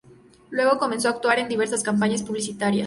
Luego, comenzó a actuar en diversas campañas publicitarias.